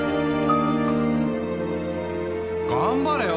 頑張れよ。